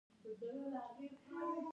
خو ستا د وجود وينه نيمایي لوږو وزبېښله.